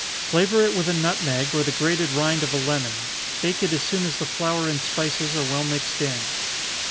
Flavor it with a nutmeg, or the grated rind of a lemon. Bake it as soon as the flour and spices are well mixed in.